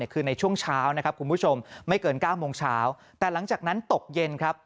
คือในช่วงเช้านะครับคุณผู้ชมไม่เกิน๙โมงเช้าแต่หลังจากนั้นตกเย็นครับ